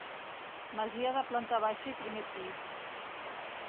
Masia de planta baixa i primer pis.